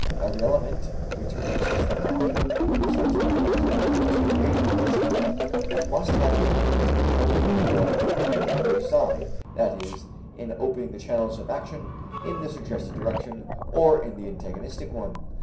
Every element which reaches the mind through sense organs or through associations must have influence in helping the one or the other side, that is, in opening the channels of action in the suggested direction or in the antagonistic one.